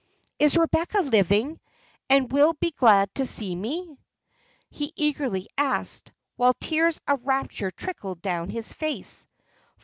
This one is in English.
"Is Rebecca living, and will be glad to see me?" he eagerly asked, while tears of rapture trickled down his face.